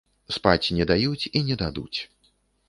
Спаць не даюць, і не дадуць.